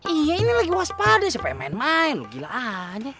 iya ini lagi waspada siapa yang main main lo gila aja